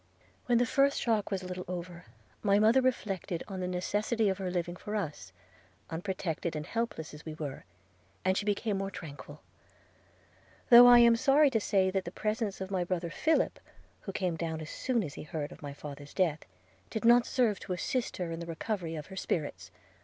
– When the first shock was a little over, my mother reflected on the necessity of her living for us, unprotected and helpless as we were, and she became more tranquil; though I am sorry to say that the presence of my brother Philip, who came down as soon as he heard of my father's death, did not serve to assist her in the recovery of her spirits.